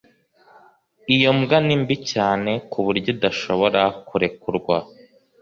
Iyo mbwa ni mbi cyane ku buryo idashobora kurekurwa